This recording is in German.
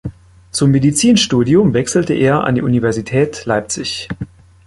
Zum Medizinstudium wechselte er an die Universität Leipzig.